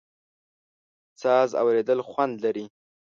ساز اورېدل خوند لري.